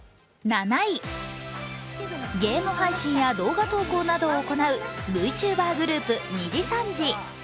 ゲーム配信や動画投稿などを行うＶｔｕｂｅｒグループ・にじさんじ。